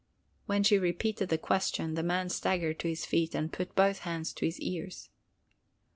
When she repeated the question, the man staggered to his feet and put both hands to his ears.